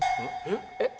えっ？